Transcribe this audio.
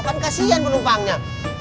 kan kasian penumpangnya